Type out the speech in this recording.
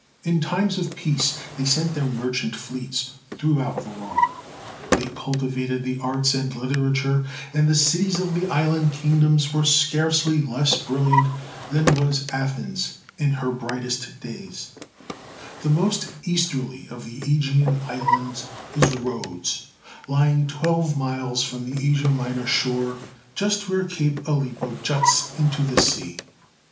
In times of peace they sent their merchant fleets throughout the world; they cul tivated the arts and literature, and the cities of the island kingdoms were scarcely less brilliant than was Athens in her brightest days. 156 THE SEYEN WONDERS The most easterly of the ^Egean islands is Rhodes, lying twelve miles from the Asia Minor shore, just where Cape Alypo juts into the sea.